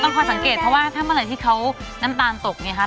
คอยสังเกตเพราะว่าถ้าเมื่อไหร่ที่เขาน้ำตาลตกไงครับ